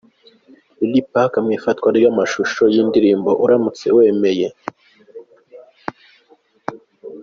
Lil Pac mu ifatwa ry'amashusho y'indirimbo 'Uramutse wemeye'.